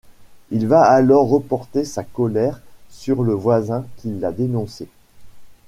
Il va alors reporter sa colère sur le voisin qui l'a dénoncée.